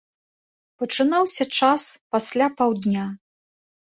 Пачынаўся час пасля паўдня.